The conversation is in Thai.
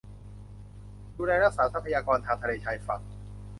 ดูแลรักษาทรัพยากรทางทะเล ชายฝั่ง